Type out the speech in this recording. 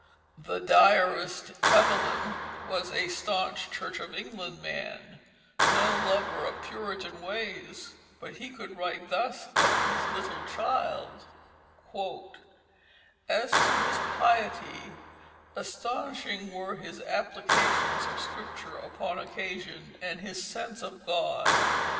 The diarist Evelyn was a stanch Church of England man, no lover of Puritan ways, but he could write thus of his little child: "As to his piety, astonishing were his applications of Scripture upon occasion and his sense of God.